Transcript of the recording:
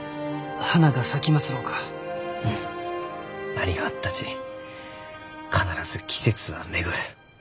何があったち必ず季節は巡る。